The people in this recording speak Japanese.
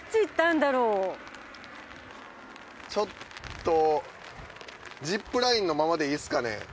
ちょっとジップラインのままでいいですかね？